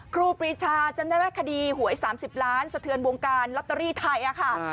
ครูปรีชาจำได้ไหมคดีหวย๓๐ล้านสะเทือนวงการลอตเตอรี่ไทยค่ะ